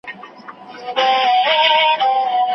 دا یوه شېبه مي پرېږده خپل خیالونه زنګومه